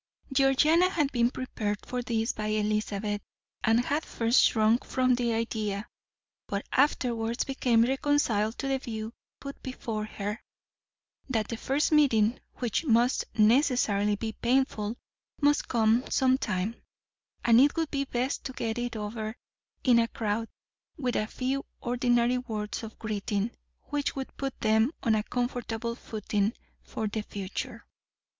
Georgiana had been prepared for this by Elizabeth, and had first shrunk from the idea; but afterwards became reconciled to the view put before her, that the first meeting, which must necessarily be painful, must come some time, and it would be best to get it over in a crowd, with a few ordinary words of greeting, which would put them on a comfortable footing for the future.